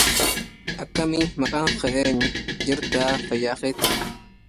لا أرى لذلك حاجة.